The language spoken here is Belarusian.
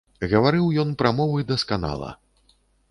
Гаварыў ён прамовы дасканала.